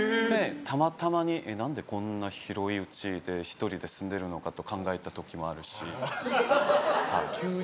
たまに、何でこんな広いうちで１人で住んでるのかと考えた時もあるし。